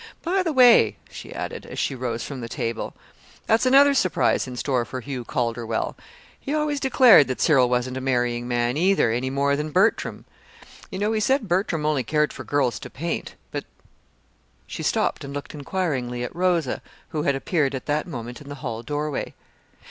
By the way," she added, as she rose from the table, "that's another surprise in store for Hugh Calderwell. He always declared that Cyril wasn't a marrying man, either, any more than Bertram. You know he said Bertram only cared for girls to paint; but " She stopped and looked inquiringly at Rosa, who had appeared at that moment in the hall doorway.